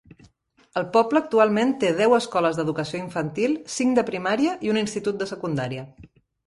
El poble actualment té deu escoles d'educació infantil, cinc de primària i un institut de secundària.